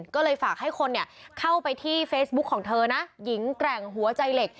ก็เลยฝากให้คนเข้าไปที่เฟซบุ๊กของเธอนะหญิงแกร่งหัวใจเหล็ก